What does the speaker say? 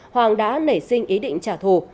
hoàng đã nảy sinh ý định trả thù